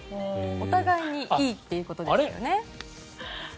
お互いにいいってことですよね。